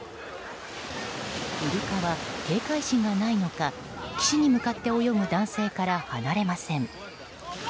イルカは警戒心がないのか岸に向かって泳ぐ男性から離れません。